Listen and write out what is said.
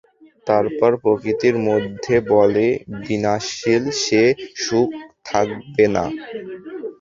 তারপর প্রকৃতির মধ্যে বলে বিনাশশীল সে-সুখ থাকবে না।